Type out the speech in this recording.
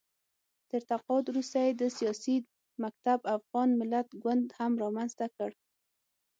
تر تقاعد وروسته یې د سیاسي مکتب افغان ملت ګوند هم رامنځته کړ